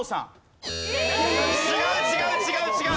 違う違う違う違う！